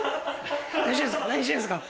何してんですか？